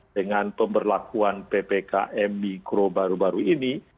dengan pemberlakuan ppkm mikro baru baru ini